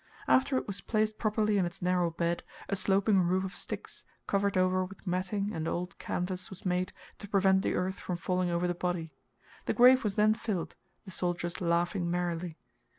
After it was placed properly in its narrow bed, a sloping roof of sticks, covered over with matting and old canvas, was made, to prevent the earth from falling over the body. The grave was then filled, the soldiers laughing merrily.